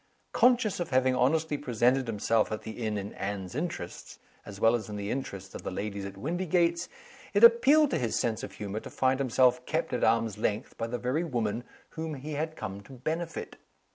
Conscious of having honestly presented himself at the inn in Anne's interests, as well as in the interests of the ladies at Windygates, it appealed to his sense of humor to find himself kept at arm's length by the very woman whom he had come to benefit.